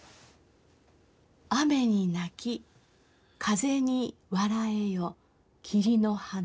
「雨に泣き風に笑えよ桐の花」。